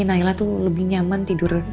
nailah tuh lebih nyaman tidur